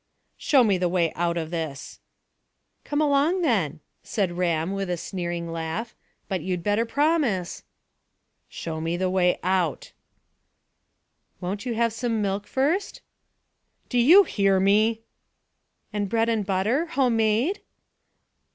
"Show me the way out of this." "Come along then," said Ram with a sneering laugh. "But you'd better promise." "Show me the way out." "Won't you have some milk first?" "Do you hear me?" "And bread and butter, home made?"